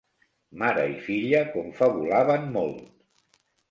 Mare i filla confabulaven molt.